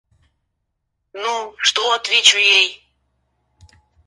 Ну, что отвечу ей?!